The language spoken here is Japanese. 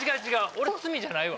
俺罪じゃないわ。